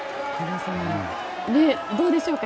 どうでしょうか？